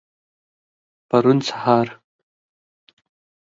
پرون سهار.